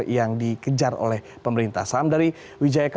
ini lebih baik